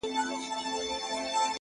روح مي لا ورک دی!! روح یې روان دی!!